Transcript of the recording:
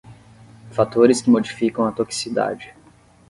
Fatores que modificam a toxicidade.